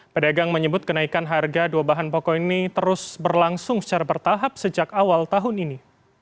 pedagang menyebut kenaikan harga dua bahan pokok ini terus berlangsung secara bertahap sejak awal tahun ini